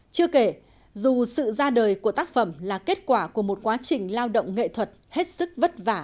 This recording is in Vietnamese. chưa kể dù sự ra đời của tác phẩm là kết quả của một quá trình lao động nghệ thuật hết sức vất vả